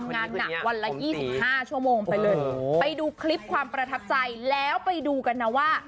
ดูในซองมันหนามากเลยอ่ะ